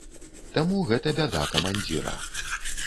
Таму гэта бяда камандзіра.